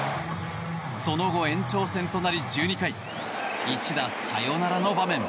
その後、延長戦となり１２回、一打サヨナラの場面。